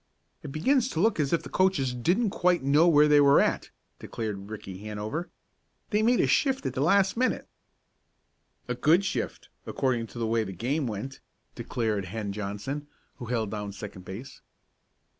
"It begins to look as if the coaches didn't quite know where they were at," declared Ricky Hanover. "They make a shift at the last minute." "A good shift according to the way the game went," declared Hen Johnson, who held down second base.